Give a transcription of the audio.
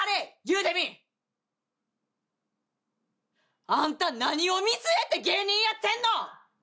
言うてみいあんた何を見据えて芸人やってんの！